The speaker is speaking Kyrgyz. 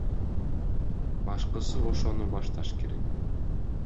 Башкысы ошону башташ керек.